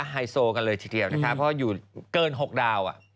ไฮโซกันเลยทีเดียวนะคะเพราะอยู่เกิน๖ดาว